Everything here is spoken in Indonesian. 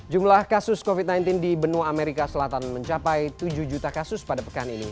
jumlah kasus covid sembilan belas di benua amerika selatan mencapai tujuh juta kasus pada pekan ini